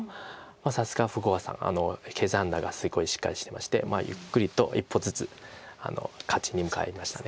さすが福岡さん形勢判断がすごいしっかりしてましてゆっくりと一歩ずつ勝ちに向かいました。